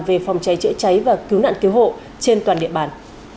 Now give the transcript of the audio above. về phòng cháy chữa cháy và cứu nạn cứu hộ trên toàn địa bàn